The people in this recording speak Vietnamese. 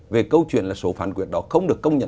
về câu chuyện là số phán quyết đó không được công nhận